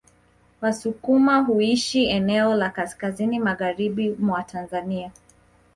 Wasukuma huishi eneo la kaskazini magharibi mwa Tanzania